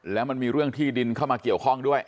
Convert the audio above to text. แล้วมันมีเรื่องที่ดินเข้ามาเกี่ยวข้องด้วย